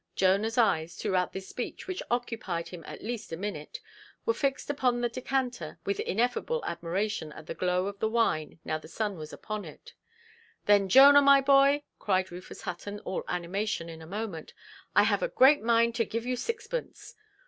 Jonahʼs eyes, throughout this speech, which occupied him at least a minute, were fixed upon the decanter, with ineffable admiration at the glow of the wine now the sun was upon it. "Then, Jonah, my boy", cried Rufus Hutton, all animation in a moment, "I have a great mind to give you sixpence.